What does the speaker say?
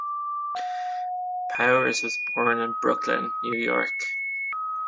Powers was born in Brooklyn, New York.